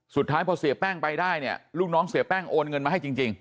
สุดท้ายพอเสียแป้งไปได้เนี่ยลูกน้องเสียแป้งโอนเงินมาให้จริง